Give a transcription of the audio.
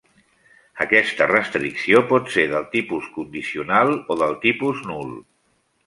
Aquesta restricció pot ser del tipus condicional o del tipus nul.